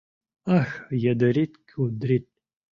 — Ах, йыдырит-кудрит!